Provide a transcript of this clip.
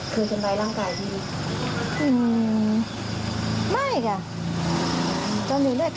คือใช่ไหมร่างกายที่ดี